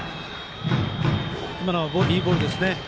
今のはいいボールですね。